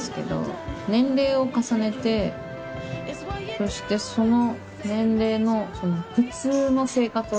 そしてその。